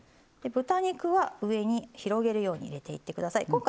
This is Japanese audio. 豚肉は上に広げるように入れていってください。